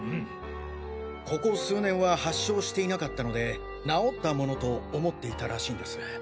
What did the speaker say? ここ数年は発症していなかったので治ったものと思っていたらしいんです。